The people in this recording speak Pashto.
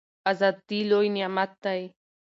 ازادي لوی نعمت دی.